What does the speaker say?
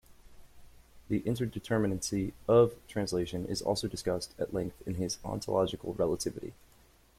The indeterminacy of translation is also discussed at length in his "Ontological Relativity".